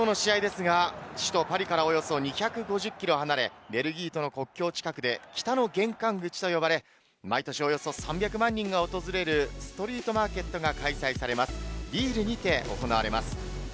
きょうの試合ですが、首都パリからおよそ２５０キロ離れ、ベルギーとの国境近くで北の玄関口と呼ばれ、毎年およそ３００万人が訪れるストリートマーケットが開催されるリールで行われます。